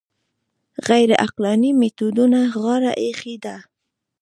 غیر عقلاني میتودونو غاړه ایښې ده